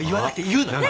言うなよ。